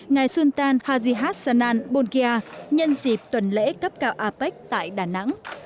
ngài xuân tan hazihat sanan bolkiah nhân dịp tuần lễ cấp cao apec tại đà nẵng